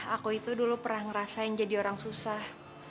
aku itu dulu pernah ngerasain jadi orang susah